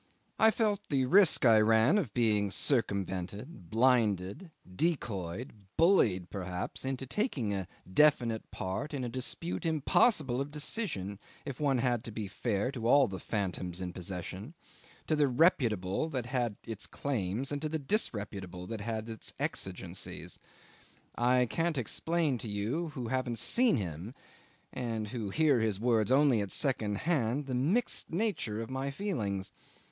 I felt the risk I ran of being circumvented, blinded, decoyed, bullied, perhaps, into taking a definite part in a dispute impossible of decision if one had to be fair to all the phantoms in possession to the reputable that had its claims and to the disreputable that had its exigencies. I can't explain to you who haven't seen him and who hear his words only at second hand the mixed nature of my feelings.